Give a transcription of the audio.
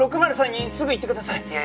６０３にすぐ行ってください！